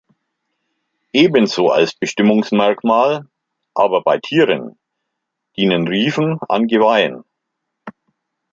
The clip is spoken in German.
Ebenso als Bestimmungsmerkmal, aber bei Tieren, dienen Riefen an Geweihen.